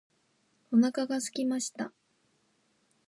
お腹がすきました